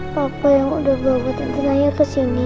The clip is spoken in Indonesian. papa yang udah bawa tentu naya ke sini